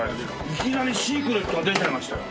いきなりシークレットが出ちゃいましたよ。